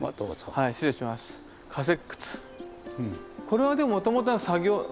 これはでももともとは作業小屋。